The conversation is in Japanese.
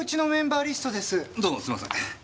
どうもすんません。